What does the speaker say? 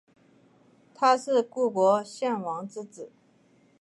他是故国壤王之子。